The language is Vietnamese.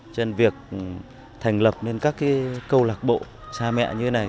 trên việc thành lập nên các câu lạc bộ cha mẹ như thế này